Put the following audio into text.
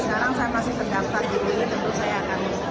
sekarang saya masih terdaftar di sini tentu saya akan